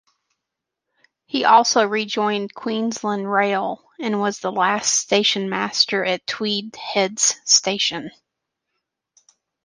He also rejoined Queensland Rail and was the last stationmaster at Tweed Heads station.